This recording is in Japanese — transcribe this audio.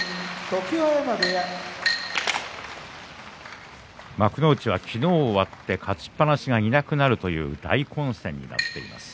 常盤山部屋幕内は昨日終わって勝ちっぱなしがいなくなるという大混戦になっています。